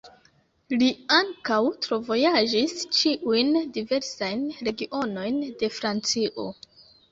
Li ankaŭ travojaĝis ĉiujn diversajn regionojn de Francio.